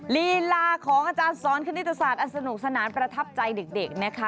ลีลาของอาจารย์สอนคณิตศาสตร์อันสนุกสนานประทับใจเด็กนะคะ